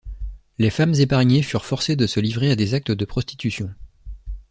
Les femmes épargnées furent forcées de se livrer à des actes de prostitution.